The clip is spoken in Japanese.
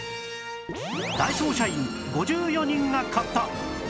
ダイソー社員５４人が買った